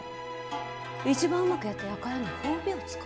一番うまくやった輩には褒美を遣わす。